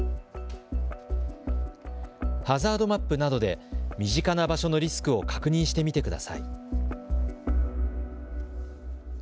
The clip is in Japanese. ハザードマップなどで身近な場所のリスクを確認してみてください。